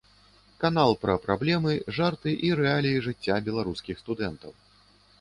Канал пра праблемы, жарты і рэаліі жыцця беларускіх студэнтаў.